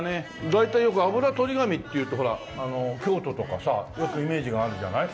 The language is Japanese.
大体よくあぶらとり紙っていうとほら京都とかさよくイメージがあるじゃない？